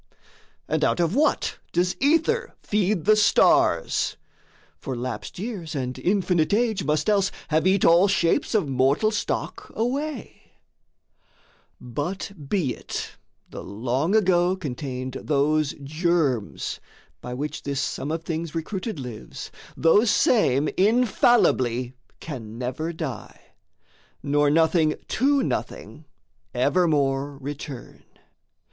And out of what does Ether feed the stars? For lapsed years and infinite age must else Have eat all shapes of mortal stock away: But be it the Long Ago contained those germs, By which this sum of things recruited lives, Those same infallibly can never die, Nor nothing to nothing evermore return.